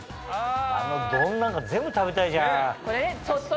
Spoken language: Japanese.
あの丼なんか全部食べたいじゃん。